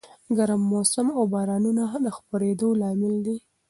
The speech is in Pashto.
ګرم موسم او بارانونه د خپرېدو لامل دي.